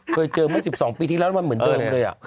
เคยเจอเมื่อ๑๒ปีที่แล้วมันเหมือนเดิมเลย